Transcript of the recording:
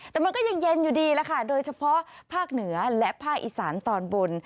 แต่มันก็ยังเย็นอยู่ดีแล้วค่ะโดยเฉพาะภาคเหนือและภาคอีสานตอนบน